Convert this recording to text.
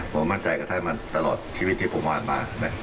ผมมั่นใจกับท่านมาตลอดชีวิตที่ผมอ่านมา